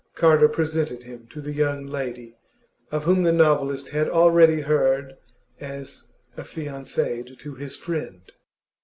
Carter presented him to the young lady, of whom the novelist had already heard as affianced to his friend.